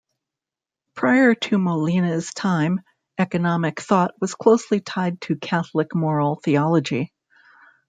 Prior to Molina's time, economic thought was closely tied to Catholic moral theology.